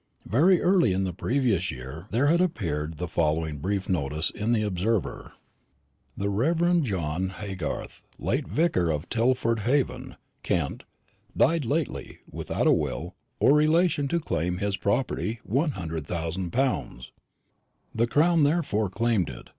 Very early in the previous year there had appeared the following brief notice in the Observer: "The Rev. John Haygarth, late vicar of Tilford Haven, Kent, died lately, without a will, or relation to claim his property, 100,000 pounds. The Crown therefore claimed it.